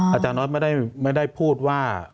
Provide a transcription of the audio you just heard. อาจารย์น้อยไม่ได้พูดว่า